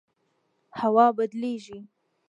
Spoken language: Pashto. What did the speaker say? هوا بدلیږي